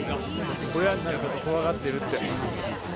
親になること怖がってるって。